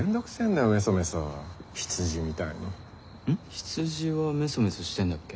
羊はメソメソしてんだっけ？